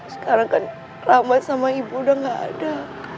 sekarang kan rahmat sama ibu udah gak ada